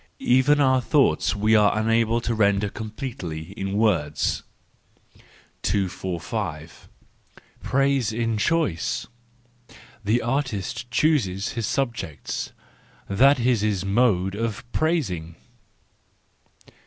—Even our thoughts we are unable to render completely in words. 245 Praise in Choice .—The artist chooses his subjects; that is his mode of praising.